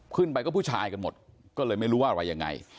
ขึ้นไปก็ผู้ชายกันหมดก็เลยไม่รู้ว่าอะไรยังไง